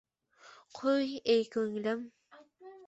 Qo’y, ey ko’nglim